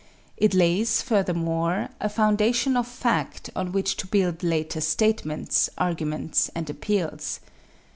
It lays, furthermore, a foundation of fact on which to build later statements, arguments, and appeals.